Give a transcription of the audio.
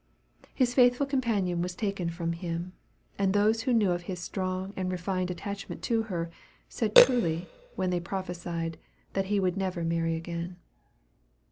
His faithful companion was taken from him, and those who knew of his strong and refined attachment to her, said truly, when they prophesied, that he would never marry again.